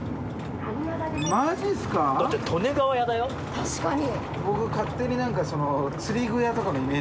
確かに。